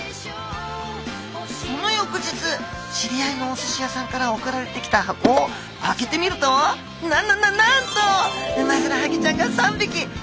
その翌日知り合いのおすし屋さんから送られてきた箱を開けてみるとななななんとウマヅラハギちゃんが３匹入っていたんです！